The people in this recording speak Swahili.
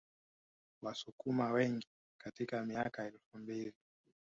Wasukuma wengi katika miaka ya elfu mbili